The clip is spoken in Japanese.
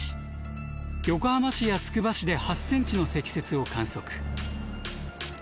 横浜市やつくば市で８ｃｍの積雪を観測。